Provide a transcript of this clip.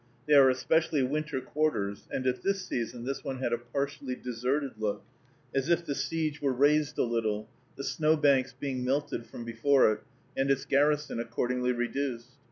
They are especially winter quarters, and at this season this one had a partially deserted look, as if the siege were raised a little, the snowbanks being melted from before it, and its garrison accordingly reduced.